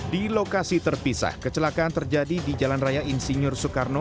di lokasi terpisah kecelakaan terjadi di jalan raya insinyur soekarno